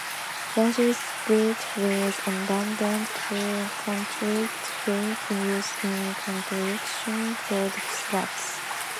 Largely built with abandoned concrete plates used in construction, called slabs.